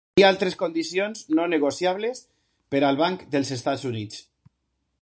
Hi havia altres condicions no negociables per al Banc dels Estats Units.